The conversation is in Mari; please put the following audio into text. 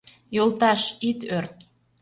— Йолташ, ит ӧр.